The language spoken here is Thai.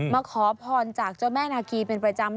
มาขอพรจากเจ้าแม่นาคีเป็นประจำ